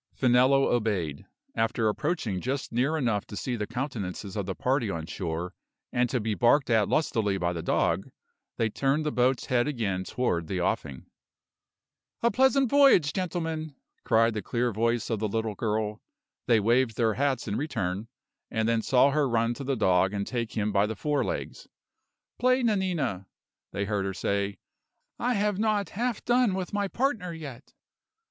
Finello obeyed. After approaching just near enough to see the countenances of the party on shore, and to be barked at lustily by the dog, they turned the boat's head again toward the offing. "A pleasant voyage, gentlemen," cried the clear voice of the little girl. They waved their hats in return; and then saw her run to the dog and take him by the forelegs. "Play, Nanina," they heard her say. "I have not half done with my partner yet."